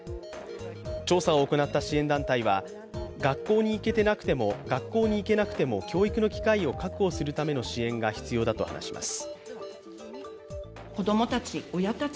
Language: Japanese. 調査を行った支援団体は学校に行けなくても教育の機会を確保するための支援が必要だと話します。